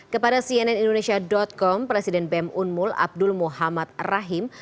kepada cnnindonesia com presiden bem unmul abdul muhammad rahim